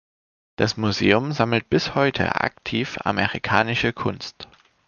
Das Museum sammelt bis heute aktiv amerikanische Kunst.